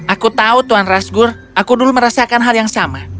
aku tahu tuan rasgur aku dulu merasakan hal yang sama